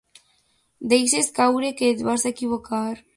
Deixes caure que et vas equivocar.